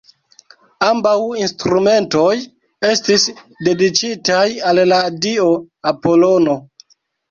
Ambaŭ instrumentoj estis dediĉitaj al la dio Apolono.